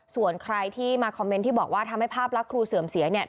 ส่วนใครที่มาคอมเมนต์ที่บอกว่าทำให้ภาพลักษณ์ครูเสื่อมเสียเนี่ย